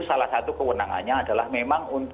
salah satu kewenangannya adalah memang